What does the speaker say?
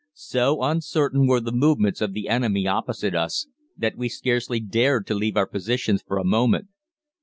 So uncertain were the movements of the enemy opposite us that we scarcely dared to leave our positions for a moment.